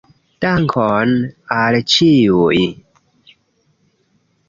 Dankon al ĉiuj.